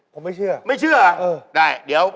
ผมไม่เชื่ออ่ะเออได้เดี๋ยว